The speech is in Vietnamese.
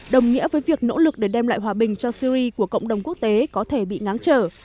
đồng nghĩa với việc nỗ lực để đem lại hòa bình cho syri của cộng đồng quốc tế có thể bị ngáng trở